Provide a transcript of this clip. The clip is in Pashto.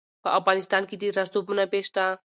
په افغانستان کې د رسوب منابع شته.